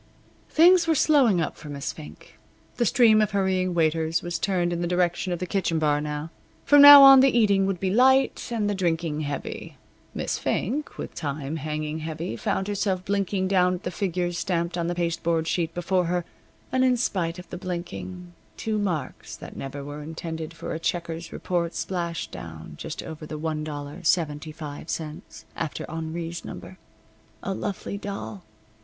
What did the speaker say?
Things were slowing up for Miss Fink. The stream of hurrying waiters was turned in the direction of the kitchen bar now. From now on the eating would be light, and the drinking heavy. Miss Fink, with time hanging heavy, found herself blinking down at the figures stamped on the pasteboard sheet before her, and in spite of the blinking, two marks that never were intended for a checker's report splashed down just over the $1.75 after Henri's number. A lovely doll!